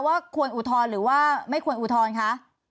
ว่าควรอุทธรณ์หรือว่าไม่ควรอุทธรณ์คะ